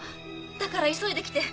だから急いで来て。